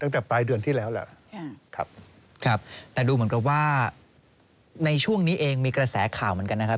ตั้งแต่ปลายเดือนที่แล้วแหละครับครับแต่ดูเหมือนกับว่าในช่วงนี้เองมีกระแสข่าวเหมือนกันนะครับ